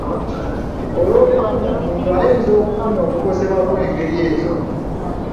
Obw’olumu, omuntu ayinza okufuna okukosebwa okw’engeri ezo.